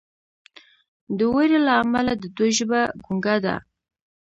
د ویرې له امله د دوی ژبه ګونګه ده.